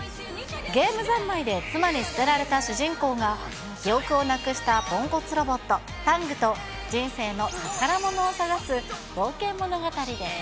ゲーム三昧で妻に捨てられた主人公が、記憶をなくしたポンコツロボット、タングと人生の宝物を探す冒険物語です。